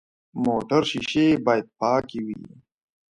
موټر شیشې باید پاکې وي.